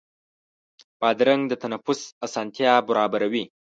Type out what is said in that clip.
بادرنګ د تنفس اسانتیا برابروي.